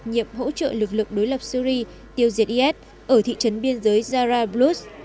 hỗ trợ lực lực đối lập syri tiêu diệt is ở thị trấn biên giới zara bluth